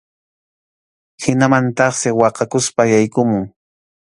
Hinamantaqsi waqaykuspa yaykumun.